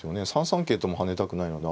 ３三桂とも跳ねたくないので。